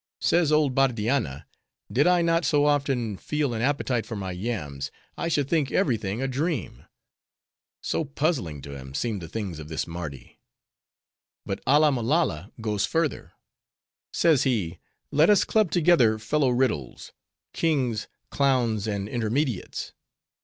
Says old Bardianna, 'Did I not so often feel an appetite for my yams, I should think every thing a dream;'—so puzzling to him, seemed the things of this Mardi. But Alla Malolla goes further. Says he, 'Let us club together, fellow riddles:—Kings, clowns, and intermediates.